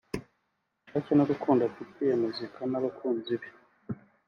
ubushake n’urukundo afitiye muzika n’abakunzi be